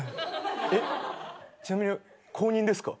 えっちなみに公認ですか？